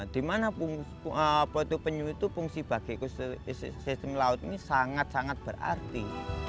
di mana penyu itu fungsi bagi ekosistem laut ini sangat sangat berarti